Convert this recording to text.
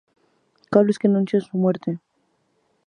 Cables que anuncian su muerte.